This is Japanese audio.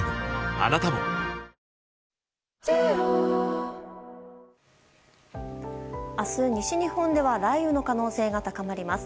あなたも明日、西日本では雷雨の可能性が高まります。